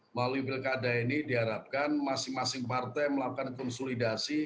melalui pilkada ini diharapkan masing masing partai melakukan konsolidasi